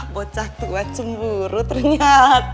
bocah tua cemburu ternyata